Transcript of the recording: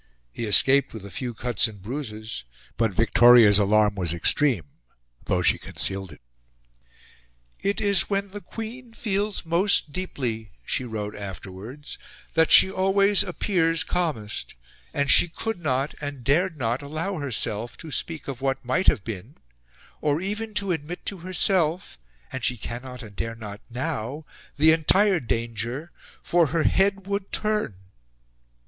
He escaped with a few cuts and bruises; but Victoria's alarm was extreme, though she concealed it. "It is when the Queen feels most deeply," she wrote afterwards, "that she always appears calmest, and she could not and dared not allow herself to speak of what might have been, or even to admit to herself (and she cannot and dare not now) the entire danger, for her head would turn!"